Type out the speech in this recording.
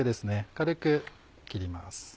軽く切ります。